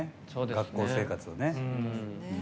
学校生活をね。